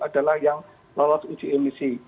adalah yang lolos uji emisi